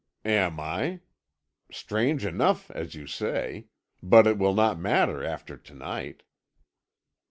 "Am I? Strange enough, as you say. But it will not matter after to night."